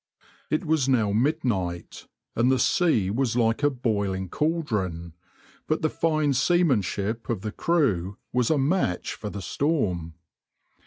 It was now midnight, and the sea was like a boiling cauldron, but the fine seamanship of the crew was a match for the storm.